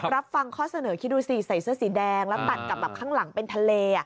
รับฟังข้อเสนอคิดดูสิใส่เสื้อสีแดงแล้วตัดกับแบบข้างหลังเป็นทะเล